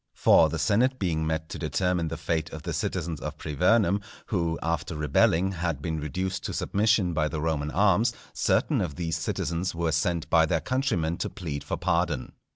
For the senate being met to determine the fate of the citizens of Privernum, who after rebelling had been reduced to submission by the Roman arms, certain of these citizens were sent by their countrymen to plead for pardon.